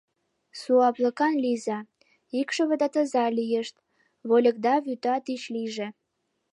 Суаплыкан лийза, икшывыда таза лийышт, вольыкда вӱта тич лийже...